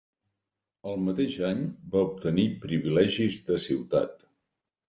El mateix any va obtenir privilegis de ciutat.